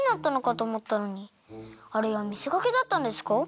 あれはみせかけだったんですか？